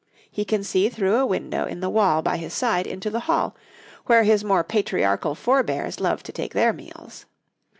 He can see through a window in the wall by his side into the hall, where his more patriarchal forebears loved to take their meals.